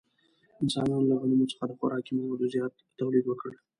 انسانانو له غنمو څخه د خوراکي موادو زیات تولید وکړ.